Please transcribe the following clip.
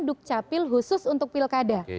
duk capil khusus untuk pilkada